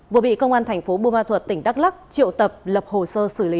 vừa bị công an thành phố bươ ma thuật tỉnh đắk lắc triệu tập lập hồ sơ xử lý